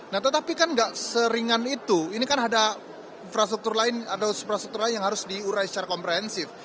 nah tetapi kan nggak seringan itu ini kan ada infrastruktur lain ada infrastruktur lain yang harus diurai secara komprehensif